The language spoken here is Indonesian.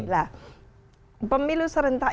nah pemilu serentak